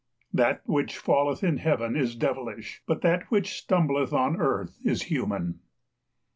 That which falleth in Heaven is devilish, but that which stumbleth on earth is human.